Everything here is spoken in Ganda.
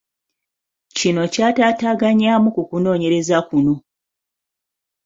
Kino kyatataaganyaamu ku kunoonyereza kuno.